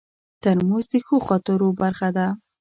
ترموز د ښو خاطرو برخه ده.